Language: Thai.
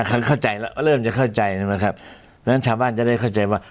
อ่าเขาเข้าใจแล้วเริ่มจะเข้าใจนะครับดังนั้นชาวบ้านจะได้เข้าใจว่า